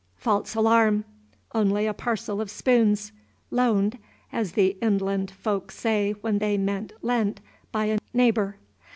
False alarm. Only a parcel of spoons, "loaned," as the inland folks say when they mean lent, by a neighbor.